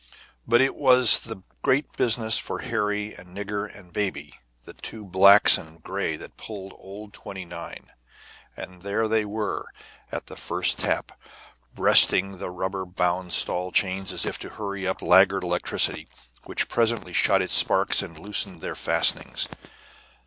But it was great business for Harry and Nigger and Baby, the two blacks and the gray that pull old 29, and there they were at the first tap, breasting the rubber bound stall chains as if to hurry up laggard electricity, which presently shot its sparks and loosed their fastenings.